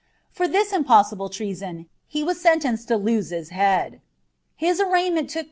'" For this imposaible tr^oiion he was senienred to lose bis bead.' U arr&igumeni took plar.